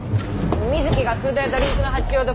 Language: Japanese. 水木がフードやドリンクの発注を独占。